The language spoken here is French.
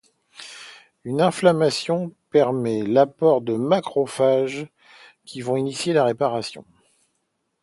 Une inflammation permet l'apport de macrophages qui vont initier la réparation.